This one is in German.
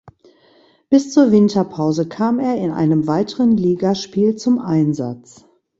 Bis zur Winterpause kam er in einem weiteren Ligaspiel zum Einsatz.